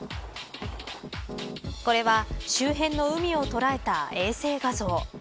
これは周辺の海を捉えた衛星画像。